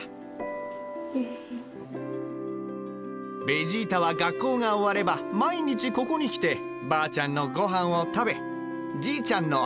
ベジータは学校が終われば毎日ここに来てばあちゃんのごはんを食べじいちゃんの畑にもついていってた。